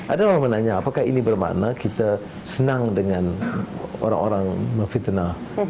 ada orang yang menanya apakah ini bermakna kita senang dengan orang orang yang memfitnah